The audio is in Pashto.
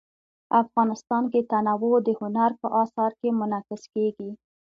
افغانستان کې تنوع د هنر په اثار کې منعکس کېږي.